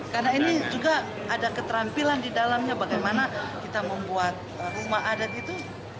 karena ini juga ada keterampilan di dalamnya bagaimana kita membuat rumah adat itu